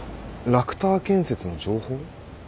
ラクター建設の情報？